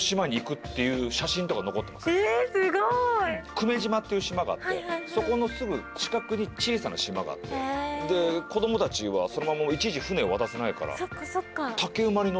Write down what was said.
久米島っていう島があってそこのすぐ近くに小さな島があって子供たちはいちいち船を渡せないから竹馬に乗って。